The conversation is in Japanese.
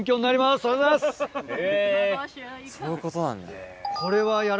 へぇそういうことなんだ。